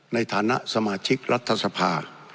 ในฐานะสมาชิกรัฐสภา